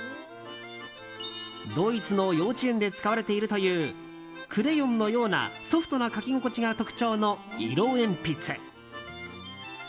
ドイツの幼稚園で使われているというクレヨンのようなソフトな描き心地が特徴の色鉛筆。